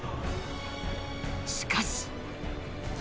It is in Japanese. しかし。